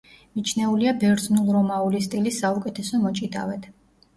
მიჩნეულია ბერძნულ-რომაული სტილის საუკეთესო მოჭიდავედ.